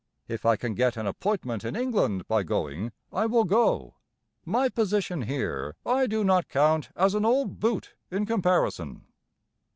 If I can get an appointment in England by going, I will go. My position here I do not count as an old boot in comparison.